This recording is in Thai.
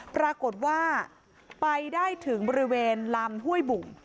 ปรากฏว่าไปได้ถึงบริเวณลำห้วยบุ่ง